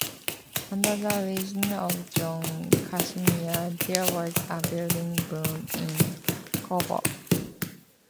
Under the reign of John Casimir, there was a building boom in Coburg.